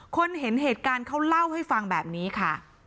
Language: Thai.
คนเห็นเหตุการณ์เขาเล่าให้ฟังแบบนี้ค่ะ